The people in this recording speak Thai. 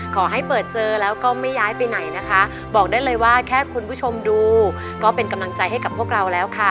ขอให้เปิดเจอแล้วก็ไม่ย้ายไปไหนนะคะบอกได้เลยว่าแค่คุณผู้ชมดูก็เป็นกำลังใจให้กับพวกเราแล้วค่ะ